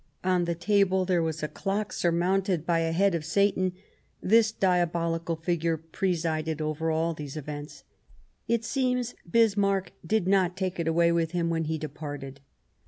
On the table there was a clock surmounted by a head of Satan ; this diabolical figure presided over all these events. It seems Bismarck did not take it away with him when he departed.